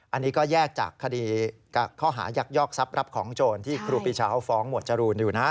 อันนี้ก็แยกจากคดีข้อหายักยอกทรัพย์รับของโจรที่ครูปีชาเขาฟ้องหมวดจรูนอยู่นะ